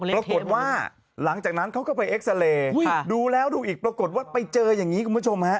ปรากฏว่าหลังจากนั้นเขาก็ไปเอ็กซาเรย์ดูแล้วดูอีกปรากฏว่าไปเจออย่างนี้คุณผู้ชมฮะ